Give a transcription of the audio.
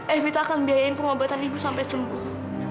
evita akan biayai pengobatan ibu sampai sembuh